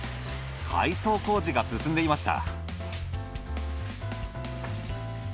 改装工事が進んでいました。